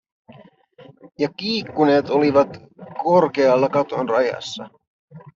Ja kiikkuneet olivat korkealla katon rajassa.